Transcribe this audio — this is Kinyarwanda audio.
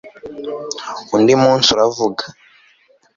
Undi munsi uravuga